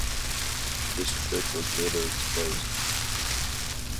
This trick was later exposed.